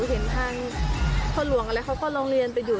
เห็นทางพ่อหลวงอะไรเขาก็ร้องเรียนไปอยู่